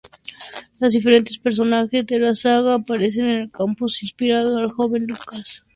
Los diferentes personajes de la saga aparecen en el campus, inspirando al joven Lucas.